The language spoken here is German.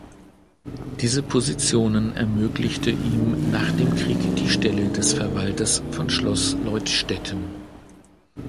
Diese Positionen ermöglichte ihm nach dem Krieg die Stelle des Verwalters von Schloss Leutstetten.